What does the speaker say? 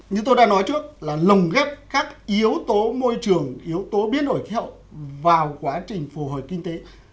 như tôi đã nói trước là lồng ghép các yếu tố môi trường yếu tố biến đổi khí hậu vào quá trình phù hồi kinh tế